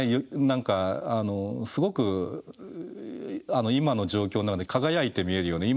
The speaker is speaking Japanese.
何かすごく今の状況なので輝いて見えるよね。